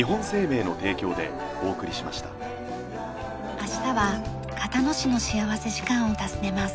明日は交野市の幸福時間を訪ねます。